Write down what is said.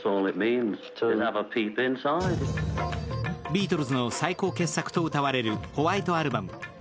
ビートルズの最高傑作とうたわれる「ホワイトアルバム」。